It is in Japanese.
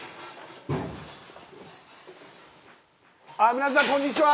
皆さんこんにちは。